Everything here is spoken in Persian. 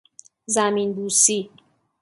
زمین بوسی